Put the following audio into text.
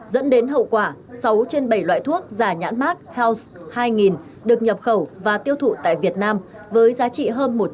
dẫn đến hậu quả sáu trên bảy loại thuốc giả nhãn mark health hai nghìn được nhập khẩu và tiêu thụ tại việt nam với giá trị hơn một trăm bốn mươi tám tỷ đồng